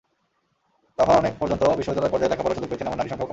তখন পর্যন্ত বিশ্ববিদ্যালয় পর্যায়ে লেখাপড়ার সুযোগ পেয়েছেন এমন নারীর সংখ্যাও কম।